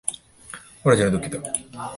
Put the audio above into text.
ওটার জন্য দুঃখিত।